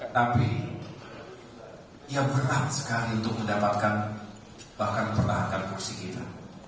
tapi ya berat sekali untuk mendapatkan bahkan mempertahankan kursi kita